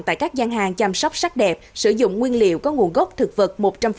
tại các gian hàng chăm sóc sắc đẹp sử dụng nguyên liệu có nguồn gốc thực vật một trăm linh